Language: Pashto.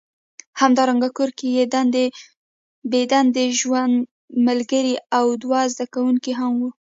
همدارنګه کور کې بې دندې ژوند ملګری او دوه زده کوونکي هم وي